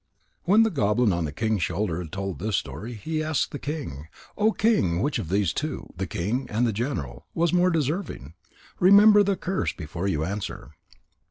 When the goblin on the king's shoulder had told this story, he asked the king: "O King, which of these two, the king and the general, was the more deserving? Remember the curse before you answer."